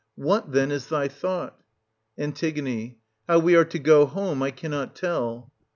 What, then, is thy thought ? An. How we are to go home, I cannot tell.